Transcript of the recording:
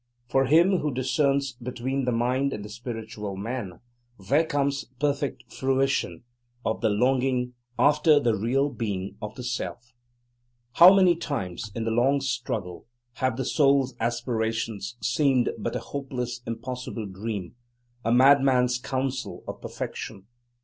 For him who discerns between the Mind and the Spiritual Man, there comes perfect fruition of the longing after the real being of the Self. How many times in the long struggle have the Soul's aspirations seemed but a hopeless, impossible dream, a madman's counsel of perfection.